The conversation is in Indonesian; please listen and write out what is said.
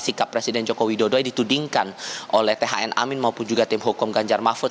sikap presiden joko widodo ditudingkan oleh thn amin maupun juga tim hukum ganjar mahfud